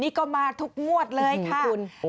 นี่ก็มาทุกมวดเลยค่ะ